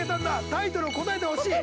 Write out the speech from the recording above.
タイトルを答えてほしい。